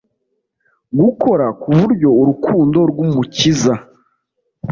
gukora ku buryo urukundo rw'Umukiza,